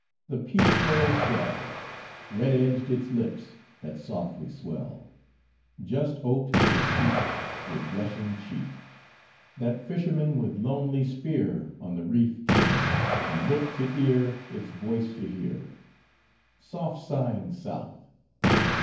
The peach pearl shell:— Red edged its lips, That softly swell, Just oped to speak, With blushing cheek, That fisherman With lonely spear On the reef ken, And lift to ear Its voice to hear,— Soft sighing South!